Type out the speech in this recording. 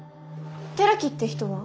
寺木って人は？